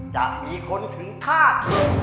จะมีคนถึงฆาต